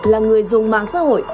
là người dùng mạng xã hội